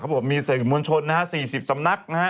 ครับมีสินค้นมวลชน๔๐สำนัก